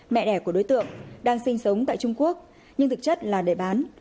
mẹ đẻ của đối tượng đang sinh sống tại trung quốc nhưng thực chất là để bán